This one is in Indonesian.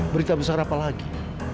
berita besar apa lagi